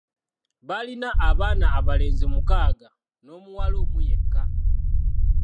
Baalina abaana abalenzi mukaaga n'omuwala omu yekka.